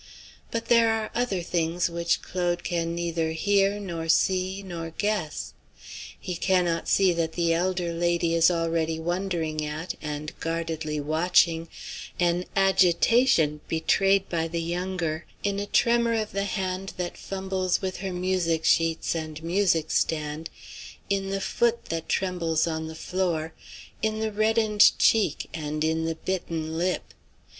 But there are other things which Claude can neither hear, nor see, nor guess. He cannot see that the elder lady is already wondering at, and guardedly watching, an agitation betrayed by the younger in a tremor of the hand that fumbles with her music sheets and music stand, in the foot that trembles on the floor, in the reddened cheek, and in the bitten lip.